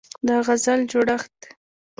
د غزل جوړښت